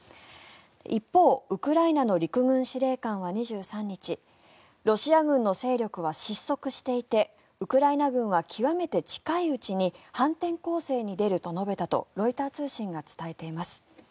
一方、ウクライナの陸軍司令官は２３日ロシア軍の勢力は失速していてウクライナ軍は極めて近いうちに反転攻勢に出ると述べたとロイター通信が伝えています。